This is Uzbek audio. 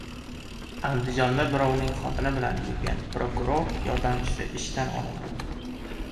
Andijonda birovning xotini bilan «yurgan» prokuror yordamchisi ishdan olindi